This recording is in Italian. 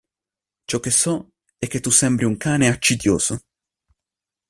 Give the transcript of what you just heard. Ciò che so è che tu sembri un cane accidioso.